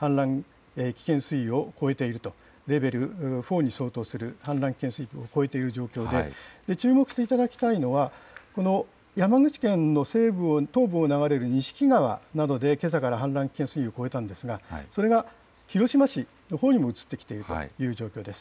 大体３０か所以上で氾濫危険水位を超えていると、レベル４に相当する氾濫危険水位を超えている状況で、注目していただきたいのは、この山口県の東部を流れる錦川などで、けさから氾濫危険水位を超えたんですが、それが広島市のほうにも移ってきているという状況